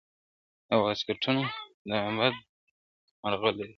د واسکټونو دا بد مرغه لړۍ !.